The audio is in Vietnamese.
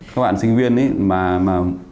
các bạn sinh viên ấy